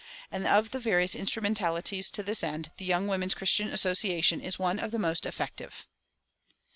And of the various instrumentalities to this end, the Young Women's Christian Association is one of the most effective.